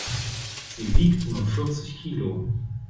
Sie wiegt nur vierzig Kilo.